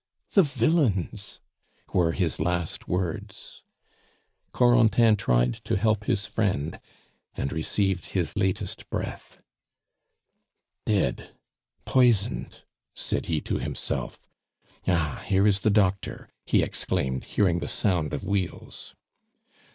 the villains!" were his last words. Corentin tried to help his friend, and received his latest breath. "Dead! Poisoned!" said he to himself. "Ah! here is the doctor!" he exclaimed, hearing the sound of wheels.